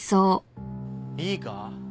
いいか？